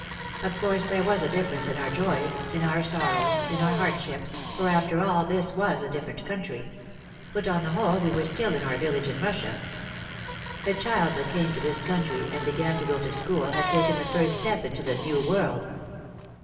Of course there was a difference in our joys, in our sorrows, in our hardships, for after all this was a different country; but on the whole we were still in our village in Russia. A child that came to this coun try and began to go to school had taken the first step into the New World.